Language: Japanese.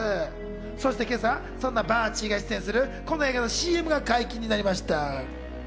そして今朝、そんなバーチーが出演するこの映画の話題が解禁になりました。